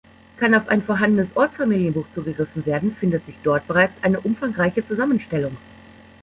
Kann auf ein vorhandenes Ortsfamilienbuch zugegriffen werden, findet sich dort bereits eine umfangreiche Zusammenstellung.